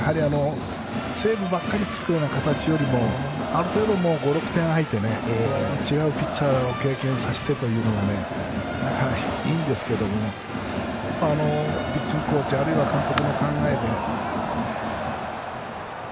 勝つ時もセーブばっかりつく形よりもある程度、５６得点入って違うピッチャーを経験させてというのがいいんですけどピッチングコーチあるいは監督の考えで。